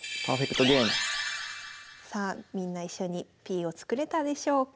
さあみんな一緒にＰを作れたでしょうか。